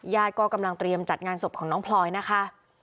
ญาติก็กำลังเตรียมจัดงานศพของน้องพลอยนะคะ